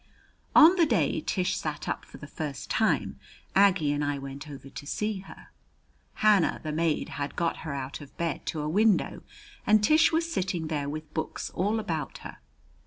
On the day Tish sat up for the first time, Aggie and I went over to see her. Hannah, the maid, had got her out of bed to a window, and Tish was sitting there with books all about her.